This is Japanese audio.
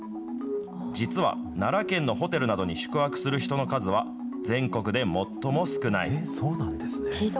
実は、奈良県のホテルなどに宿泊する人の数は、全国で最も少ない。